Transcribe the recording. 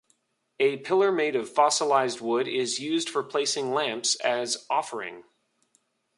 A pillar made of fossilized wood is used for placing lamps as offering.